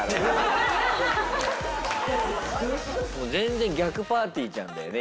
もう全然逆ぱーてぃーちゃんだよね